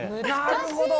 なるほど。